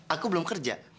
aku belum kerja